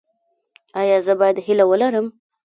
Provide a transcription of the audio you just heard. ایا زه باید هیله ولرم؟